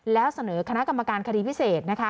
แล้วเสนอคณะกรรมการคดีพิเศษนะคะ